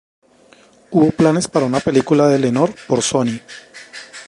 Hubo planes para una película de Lenore por Sony.